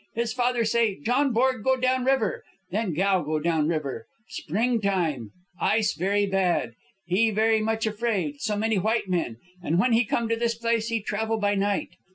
His father say John Borg go down river. Then Gow go down river. Spring time, ice very bad. He very much afraid, so many white men, and when he come to this place he travel by night.